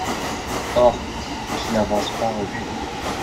Or, qui n'avance pas recule.